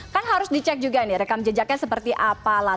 kan harus dicek juga nih rekam jejaknya seperti apalah